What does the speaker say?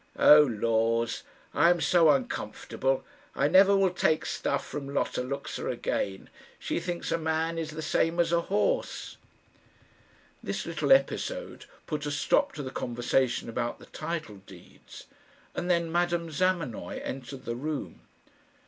"Oh, laws! I am so uncomfortable. I never will take stuff from Lotta Luxa again. She thinks a man is the same as a horse." This little episode put a stop to the conversation about the title deeds, and then Madame Zamenoy entered the room.